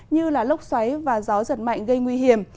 như lốc xoáy và gió giật mạnh gây nguy hiểm